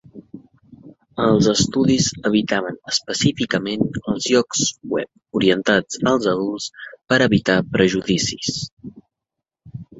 Els estudis evitaven específicament els llocs web orientats als adults per evitar prejudicis.